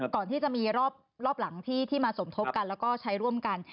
ก่อนที่จะมีรอบหลังที่มาสมทบกันแล้วก็ใช้ร่วมกัน